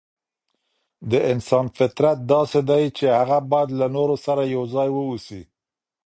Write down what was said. د انسان فطرت داسې دی چي هغه بايد له نورو سره يو ځای واوسي.